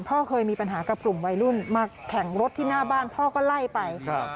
พ่อเคยมีปัญหากับกลุ่มวัยรุ่นมาแข่งรถที่หน้าบ้านพ่อก็ไล่ไปครับ